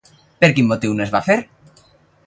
Per quin motiu no es va fer?